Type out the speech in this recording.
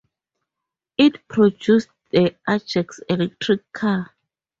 It produced the Ajax Electric car.